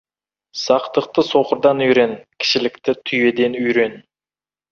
Сақтықты соқырдан үйрен, кішілікті түйеден үйрен.